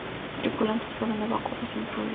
Los tripulantes fueron evacuados sin problemas.